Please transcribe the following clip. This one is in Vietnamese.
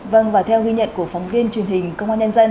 vâng và theo ghi nhận của phóng viên truyền hình công an nhân dân